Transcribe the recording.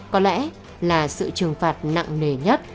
có lẽ là sự trừng phạt nặng nề nhất